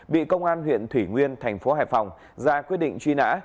bị công an huyện thủy nguyên tp hải phòng ra quyết định truy nã